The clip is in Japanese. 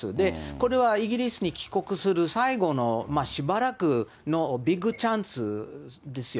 これはイギリスに帰国する最後のしばらくのビッグチャンスですよ。